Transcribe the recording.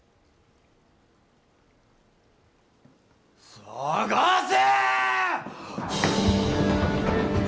捜せ！